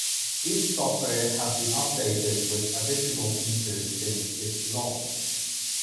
Its software has been updated with additional features since its launch.